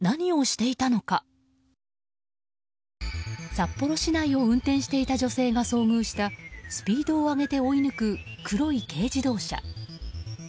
札幌市内を運転していた女性が遭遇したスピードを上げて追い抜く黒い軽自動車。